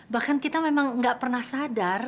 bahkan kita memang nggak pernah sadar